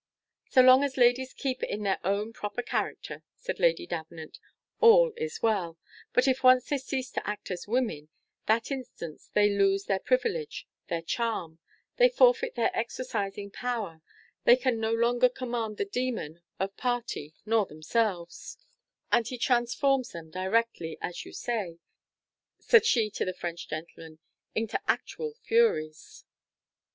"So long as ladies keep in their own proper character," said Lady Davenant, "all is well; but, if once they cease to act as women, that instant they lose their privilege their charm: they forfeit their exorcising power; they can no longer command the demon of party nor themselves, and he transforms them directly, as you say," said she to the French gentleman, "into actual furies."